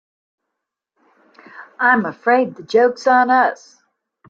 I'm afraid the joke's on us.